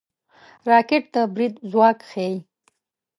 راکټ د برید ځواک ښيي